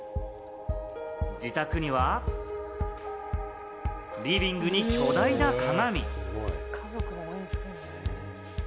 自宅にはリビングに巨大な鏡。